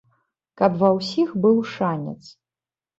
Каб ва ўсіх быў шанец.